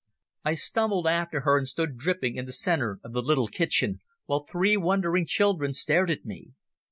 I stumbled after her and stood dripping in the centre of the little kitchen, while three wondering children stared at me.